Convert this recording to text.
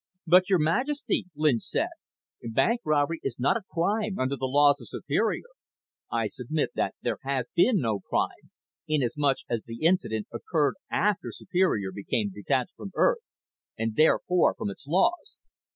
"But Your Majesty," Lynch said, "bank robbery is not a crime under the laws of Superior. I submit that there has been no crime inasmuch as the incident occurred after Superior became detached from Earth, and therefore from its laws."